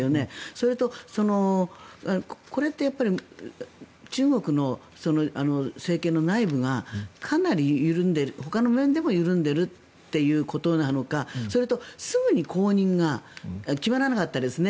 それと、これって中国の政権の内部がかなり緩んでいる、ほかの面でも緩んでいるということなのかそれと、すぐに後任が決まらなかったですね